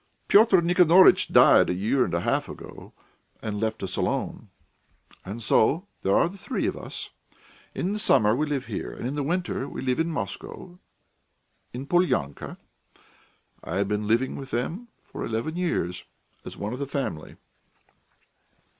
Pyotr Nikanoritch died a year and a half ago, and left us alone. And so there are the three of us. In the summer we live here, and in winter we live in Moscow, in Polianka. I have been living with them for eleven years as one of the family."